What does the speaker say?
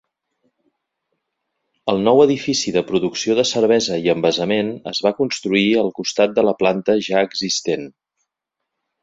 El nou edifici de producció de cervesa i envasament es va construir al costat de la planta ja existent.